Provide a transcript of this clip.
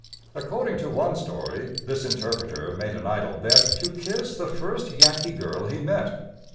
According to one story, this interpreter made an idle bet to kiss the first Yankee girl he met.